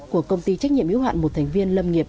của công ty trách nhiệm yếu hạn một thành viên lâm nghiệp